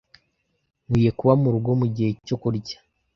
Nkwiye kuba murugo mugihe cyo kurya.